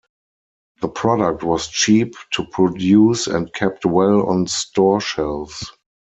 The product was cheap to produce and kept well on store shelves.